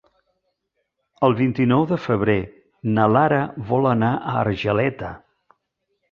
El vint-i-nou de febrer na Lara vol anar a Argeleta.